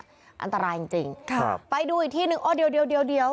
อันตรายจริงค่ะไปดูอีกที่นึงโอ๊ยเดี๋ยว